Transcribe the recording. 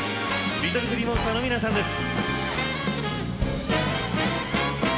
ＬｉｔｔｌｅＧｌｅｅＭｏｎｓｔｅｒの皆さんです。